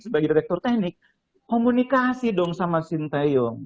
sebagai direktur teknik komunikasi dong sama sin tayong